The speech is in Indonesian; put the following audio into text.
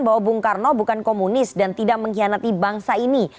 bahwa bung karno bukan komunis dan tidak mengkhianati bangsa ini